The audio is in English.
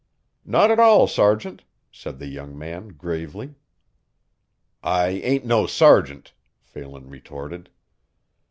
"Not at all, sergeant," said the young man gravely. "I ain't no sergeant," Phelan retorted.